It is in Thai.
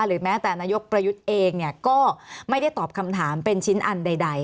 แม้แต่นายกประยุทธ์เองก็ไม่ได้ตอบคำถามเป็นชิ้นอันใด